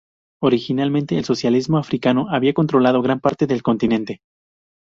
Originalmente el socialismo africano había controlado gran parte del continente.